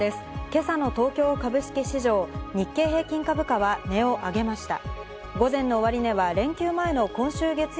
今朝の東京株式市場、日経平均株価は値を上げました。